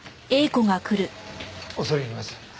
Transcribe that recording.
恐れ入ります。